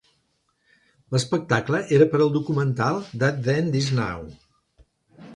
L'espectacle era per al documental "That Then This Now".